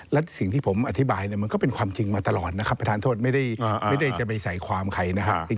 และสิ่งที่ผมอธิบายเนี่ยมันก็เป็นความจริงมาตลอดนะครับประธานโทษไม่ได้จะไปใส่ความใครนะครับ